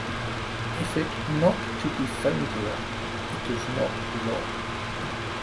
If it not to be found there, it is not law.